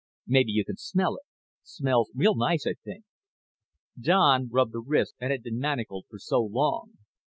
Maybe you can smell it. Smells real nice, I think." Don rubbed the wrist that had been manacled for so long.